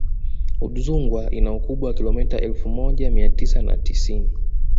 udzungwa ina ukubwa wa kilomita elfu moja mia tisa na tisini